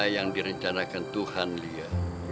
yang direncanakan tuhan lia